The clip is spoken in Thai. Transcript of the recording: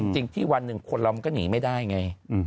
จริงที่วันหนึ่งคนเรามันก็หนีไม่ได้ไง